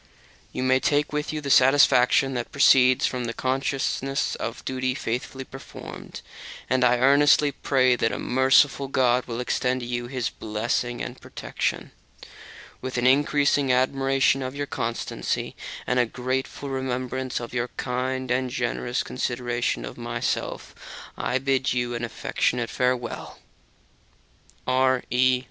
You will take with you the satisfaction that proceeds from the consciousness of duty faithfully performed; and I earnestly pray that a merciful God will extend to you His blessing and protection. With an increasing admiration of your constancy and devotion to your country, and a grateful remembrance of your kind and generous consideration of myself, I bid you an affectionate farewell. R. E.